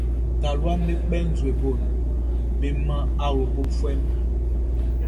Taluaʼm be kpɛ nzue gboʼn nun be man awlobofuɛ mun.